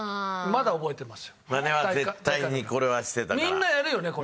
みんなやるよねこれ。